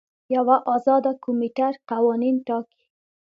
یوه ازاده کمیټه قوانین ټاکي.